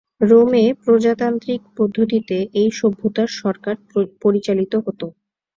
রোমে প্রজাতান্ত্রিক পদ্ধতিতে এই সভ্যতার সরকার পরিচালিত হতো।